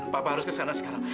papa harus ke sana sekarang